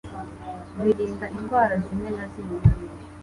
Birinda indwara zimwe na zimwe